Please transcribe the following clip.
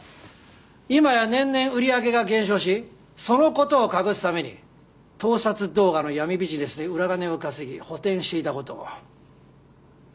今や年々売り上げが減少しその事を隠すために盗撮動画の闇ビジネスで裏金を稼ぎ補填していた事を。